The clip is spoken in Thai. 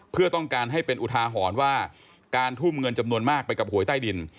เพื่อต้องการให้เป็นอุทาหรณ์ว่าการทุ่มเงินจำนวนมากไปกับหวยใต้ดิน